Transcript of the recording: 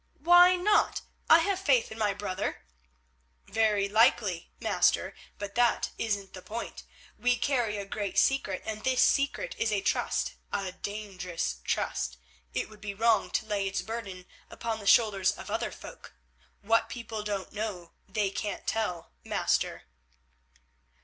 "Why not? I have faith in my brother." "Very likely, master, but that isn't the point. We carry a great secret, and this secret is a trust, a dangerous trust; it would be wrong to lay its burden upon the shoulders of other folk. What people don't know they can't tell, master."